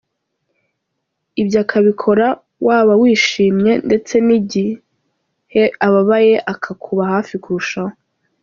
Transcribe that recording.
Ibyo akabikora waba wishimye ndetse n’igihe ababaye akakuba hafi kurushaho.